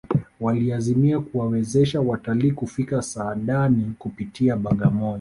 waliazimia kuwawezesha watalii kufika saadani kupitia bagamoyo